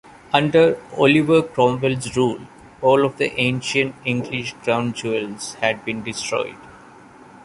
Under Oliver Cromwell's rule, all of the ancient English crown jewels had been destroyed.